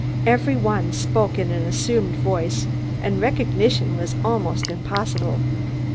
Every one spoke in an assumed voice, and recognition was almost impossible.